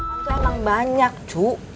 itu emang banyak cu